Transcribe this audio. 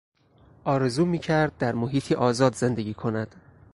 آرزو میکرد در محیطی آزاد زندگی کند.